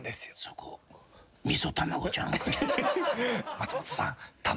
松本さん。